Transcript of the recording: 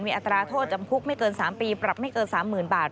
อัตราโทษจำคุกไม่เกิน๓ปีปรับไม่เกิน๓๐๐๐บาท